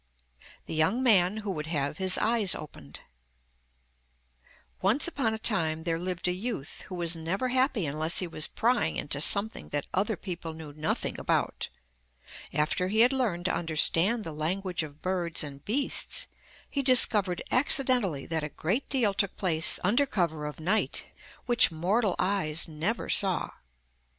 THE YOUNG MAN WHO WOULD HAVE HIS EYES OPENED Once upon a time there lived a youth who was never happy unless he was prying into something that other people knew nothing about. After he had learned to understand the language of birds and beasts, he discovered accidentally that a great deal took place under cover of night which mortal eyes never saw.